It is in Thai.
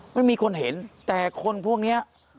ไม่มีคนเห็นแต่คนพวกนี้